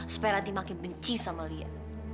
supaya rati makin benci sama lia